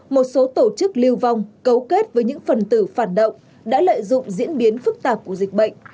một số tổ chức lưu vong cấu kết với những phần tử phản động đã lợi dụng diễn biến phức tạp của dịch bệnh